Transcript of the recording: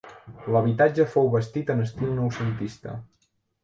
L'habitatge fou bastit en estil noucentista.